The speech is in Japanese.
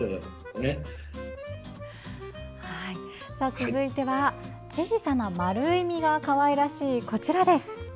続いては、小さな丸い実がかわいらしい、こちら。